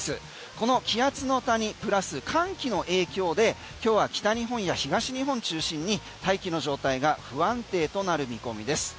この気圧の谷プラス寒気の影響で今日は北日本や東日本中心に大気の状態が不安定となる見込みです。